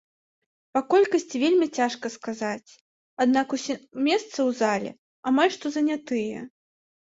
Па колькасці вельмі цяжка сказаць, аднак усе месцы ў залі амаль што занятыя.